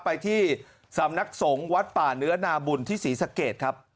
ไปที่สำนักสงฆ์วัดป่าเนื้อนาบุญที่ศรีสะเกดครับ